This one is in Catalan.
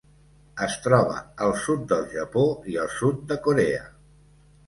Es troba al sud del Japó i al sud de Corea.